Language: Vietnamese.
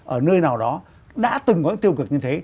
ở nơi nào đó đã từng có những tiêu cực như thế